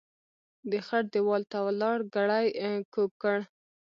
د خړ ديوال ته ولاړ ګړی کوږ کړ.